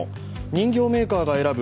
人形メーカーが選ぶ